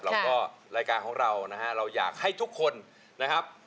แล้วก็รายการของเรานะฮะเราอยากให้ทุกคนนะครับ